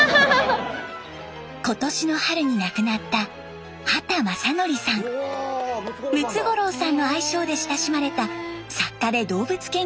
今年の春に亡くなったムツゴロウさんの愛称で親しまれた作家で動物研究家でした。